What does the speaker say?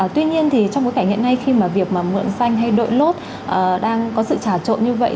tuy nhiên thì trong bối cảnh hiện nay khi mà việc mượn xanh hay đội lốt đang có sự trả trộn như vậy